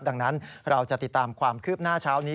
ดังนั้นเราจะติดตามความคืบหน้าเช้านี้